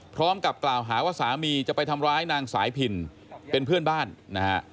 พร้อมกับกล่าวหาว่าสามีจะไปทำร้ายนางสายพินเป็นเพื่อนบ้านนะฮะ